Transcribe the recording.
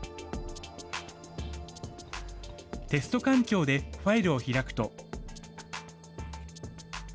テスト環境でファイルを開くと。